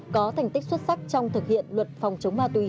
có thành tích xuất sắc trong thực hiện luật phòng chống ma túy